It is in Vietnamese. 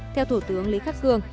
theo thủ tướng lý khắc cường